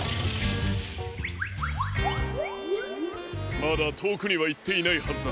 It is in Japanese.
まだとおくにはいっていないはずだ。